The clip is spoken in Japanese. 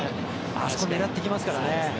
あそこを狙ってきますからね。